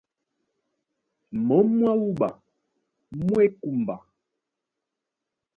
Mǒm mwá wúɓa mú e kúmba.